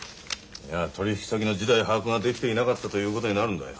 いや取引先の事態把握ができていなかったということになるんだよ。